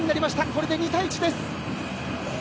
これで２対１です。